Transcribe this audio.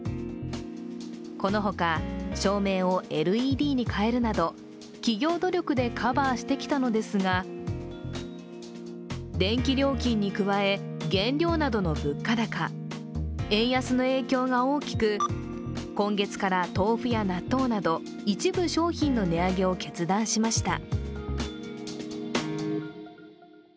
このほか、照明をＬＥＤに変えるなど企業努力でカバーしてきたのですが電気料金に加え、原料などの物価高円安の影響が大きく今月から豆腐や納豆など、一部商品の値上げを決断しました。